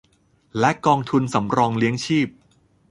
และกองทุนสำรองเลี้ยงชีพ